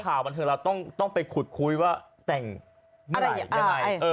ยาวบันเทิงเราต้องให้ไปขุดคุ้ยว่าแต่งไหนยังไง